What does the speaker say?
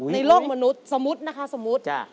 โลกมนุษย์สมมุตินะคะสมมุติ